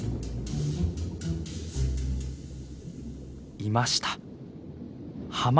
いました。